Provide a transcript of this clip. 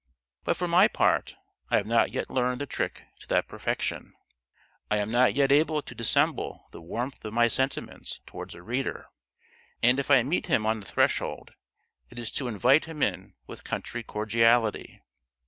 But for my part I have not yet learned the trick to that perfection; I am not yet able to dissemble the warmth of my sentiments towards a reader; and if I meet him on the threshold, it is to invite him in with country cordiality.